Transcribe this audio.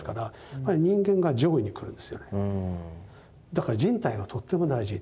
だから人体がとっても大事。